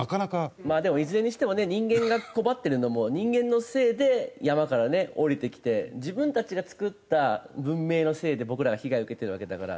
でもいずれにしてもね人間が困ってるのも人間のせいで山からね下りてきて自分たちが作った文明のせいで僕らが被害受けてるわけだから。